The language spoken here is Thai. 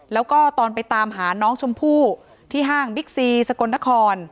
แล้วก็ตอนไปตามหาน้องชมพู่ที่ห้างบิ๊กซีสกลนคร